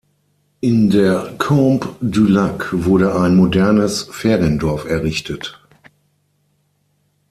In der Combe du Lac wurde ein modernes Feriendorf errichtet.